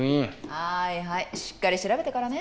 はいはいしっかり調べてからね